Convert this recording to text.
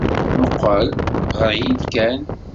Mmuqqel, ɣer-iyi-d kan.